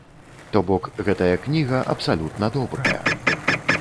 То бок, гэтая кніга абсалютна добрая.